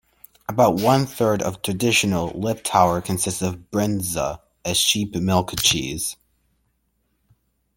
About one third of "traditional" Liptauer consists of bryndza, a sheep milk cheese.